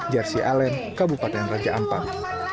jersi alen kabupaten raja ampang